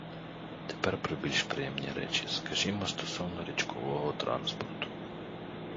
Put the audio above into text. Тепер про більш приємні речі, скажімо, стосовно річкового транспорту.